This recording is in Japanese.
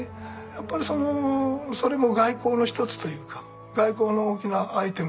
やっぱりそれも外交の一つというか外交の大きなアイテムというかね